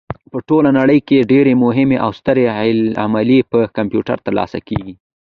په ټوله نړۍ کې ډېرې مهمې او سترې عملیې په کمپیوټر ترسره کېږي.